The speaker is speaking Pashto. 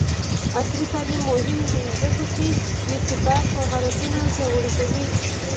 عصري تعلیم مهم دی ځکه چې د ارتباط مهارتونه پیاوړی کوي.